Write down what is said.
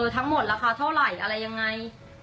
ทั้งหมดราคาเท่าไหร่อะไรยังไง